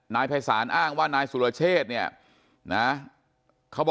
นายภัยสารอ้างว่านายสุรเชษฐ์